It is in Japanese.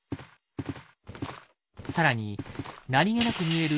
更に何気なく見える